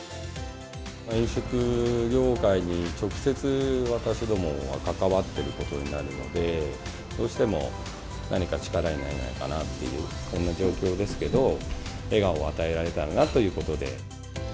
飲食業界に直接、私どもが関わっていることになるので、どうしても何か力になれないかなっていう、こんな状況ですけど、笑顔を与えられたらなということで。